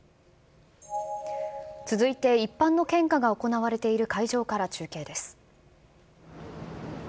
続いて一般の献花が行われている会場から中継です。